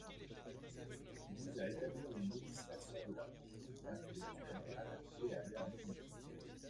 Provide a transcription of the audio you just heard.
Il vise à établir une législation de la propriété intellectuelle adaptée à l'ère numérique.